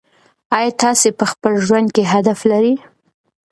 آیا تاسې په خپل ژوند کې هدف لرئ؟